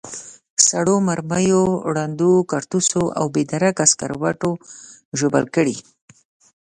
سړو مرمیو، ړندو کارتوسو او بې درکه سکروټو ژوبل کړي.